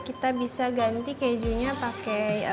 kita bisa ganti kejunya pakai